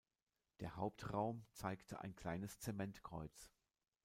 Der Hauptraum zeigte ein kleines Zement-Kreuz.